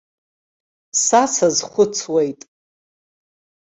Са сазхәыцуеит.